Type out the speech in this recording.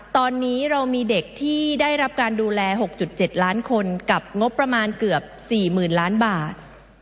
ตอนนี้เรามีเด็กที่ได้รับการดูแล๖๗ล้านคนกับงบประมาณเกือบ๔๐๐๐ล้านบาท